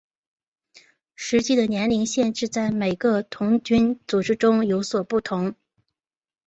实际的年龄限制在每个童军组织中有所不同。